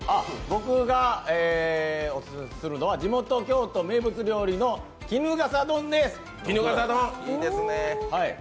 僕がおすすめするのは地元京都の料理の衣笠丼です。